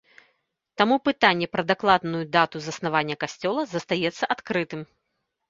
Таму пытанне пра дакладную дату заснавання касцёла застаецца адкрытым.